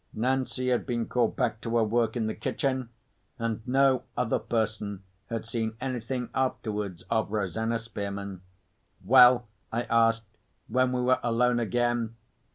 Nancy had been called back to her work in the kitchen. And no other person had seen anything afterwards of Rosanna Spearman. "Well?" I asked, when we were alone again.